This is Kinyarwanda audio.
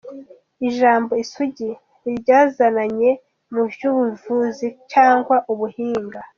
Ijambo "isugi" ntiryazananye mu vy'ubuvuzi canke ubuhinga.